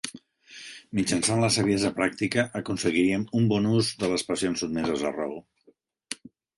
Mitjançant la saviesa pràctica aconseguiríem un bon ús de les passions sotmeses a raó.